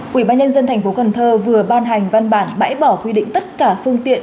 quỹ ban nhân dân tp cần thơ vừa ban hành văn bản bãi bỏ quy định tất cả phương tiện